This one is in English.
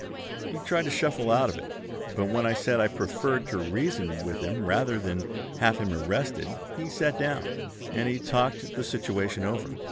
He tried to shuffle out of it, but when I said I preferred to reason with him rather than have him arrested he sat down, and we talked the situation over.